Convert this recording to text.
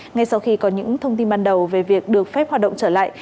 ngay sau khi có những thông tin ban đầu về việc được phép hoạt động trở lại